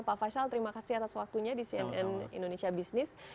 pak faisal terima kasih atas waktunya di cnn indonesia business